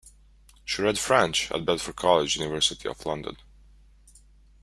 She read French at Bedford College, University of London.